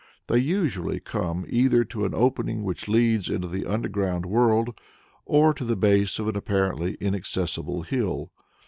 They usually come either to an opening which leads into the underground world, or to the base of an apparently inaccessible hill.